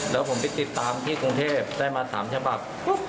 แล้วผมไปติดตามที่กรุงเทพได้มา๓ฉบับ